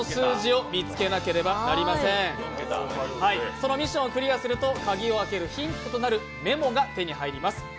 そのミッションをクリアすると鍵を開けるヒントとなるメモが手に入ります。